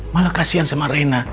malah kasian sama reina